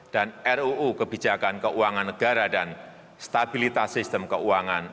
dan ruu kebijakan keuangan negara dan stabilitas sistem keuangan